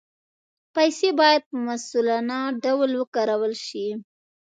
پیسې باید په مسؤلانه ډول وکارول شي.